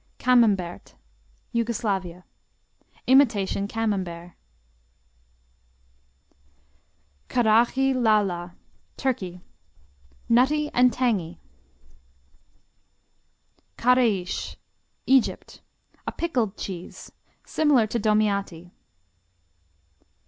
Kamembert Yugoslavia Imitation Camembert. Karaghi La La Turkey Nutty and tangy. Kareish Egypt A pickled cheese, similar to Domiati.